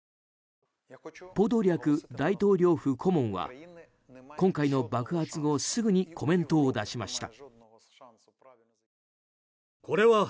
ポドリャク大統領府顧問は今回の爆発後すぐにコメントを出しました。